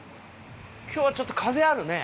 今日はちょっと風あるね。